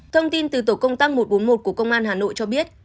thông tin từ tổ công tác một trăm bốn mươi một của công an hà nội cho biết